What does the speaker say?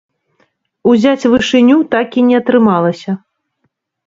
Узяць вышыню так і не атрымалася.